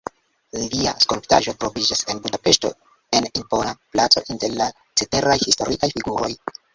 Lia skulptaĵo troviĝas en Budapeŝto en impona placo inter la ceteraj historiaj figuroj.